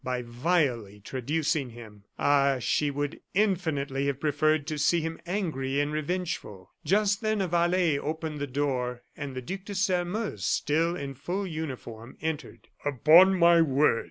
By vilely traducing him. Ah! she would infinitely have preferred to see him angry and revengeful. Just then a valet opened the door, and the Duc de Sairmeuse, still in full uniform, entered. "Upon my word!"